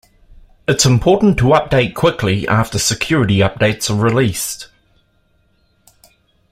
It's important to update quickly after security updates are released.